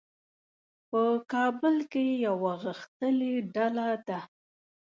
په کابل کې یوه غښتلې ډله ده.